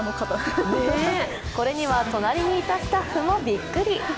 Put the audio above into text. これには隣にいたスタッフもびっくり。